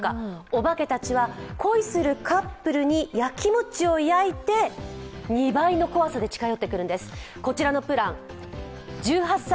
お化けたちは恋するカップルに焼きもちを焼いて、２倍の怖さで近寄ってくるんです。